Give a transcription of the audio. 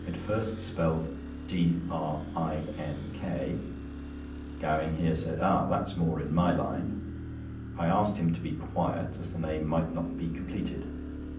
It first spelled "DRINK." Gowing here said: "Ah! that's more in my line." I asked him to be quiet as the name might not be completed.